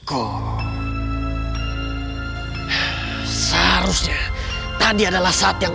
aku kabarnyaita neglect bagi kamu